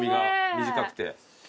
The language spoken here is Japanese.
短くて。